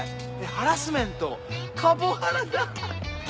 ハラスメントカボハラだ！